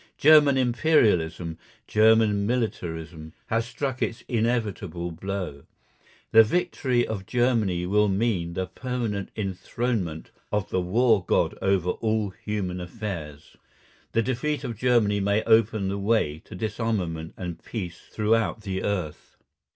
German Imperialism, German militarism, has struck its inevitable blow. The victory of Germany will mean the permanent enthronement of the War God over all human affairs. The defeat of Germany may open the way to disarmament and peace throughout the earth.